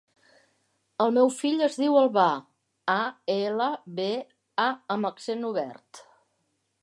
El meu fill es diu Albà: a, ela, be, a amb accent obert.